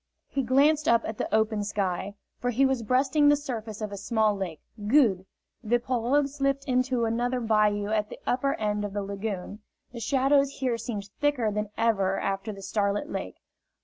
He glanced up at the open sky, for he was breasting the surface of a small lake. "Good!" The pirogue slipped into another bayou at the upper end of the lagoon. The shadows here seemed thicker than ever after the starlit lake.